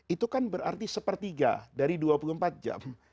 itu kan berarti sepertiga dari dua puluh empat jam